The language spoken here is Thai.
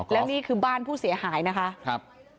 และนี่คือบ้านผู้เสียหายนะคะ